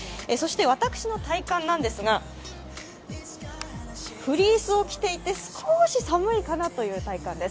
私の体感なんですが、フリースを着ていて少し寒いかなという体感です。